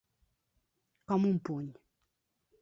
Com un puny.